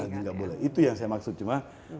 iya tidak boleh itu yang saya maksud cuma